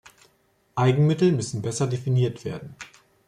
Eigenmittel müssen besser definiert werden.